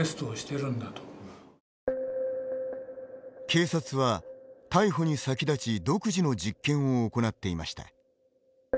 警察は、逮捕に先立ち独自の実験を行っていました。